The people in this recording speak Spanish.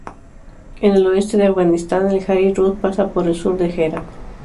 En el oeste de Afganistán el Hari Rud pasa por el sur de Herāt.